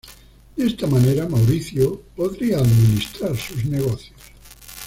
De esta manera, Mauricio podría administrar sus negocios.